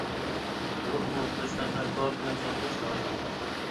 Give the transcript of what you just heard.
بولۇپمۇ كوچىلاردا كاۋاپ بىلەن سودا قىلىش راۋاجلانغان.